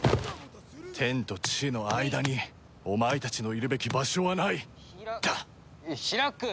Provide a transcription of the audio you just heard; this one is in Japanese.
「天と地の間にお前たちのいるべき場所はない」だ！開く？